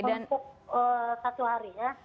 untuk satu harinya